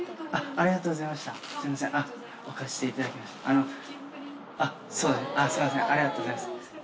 ありがとうございます。